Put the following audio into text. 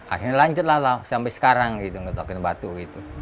akhirnya lanjutlah lah sampai sekarang gitu ketokin batu gitu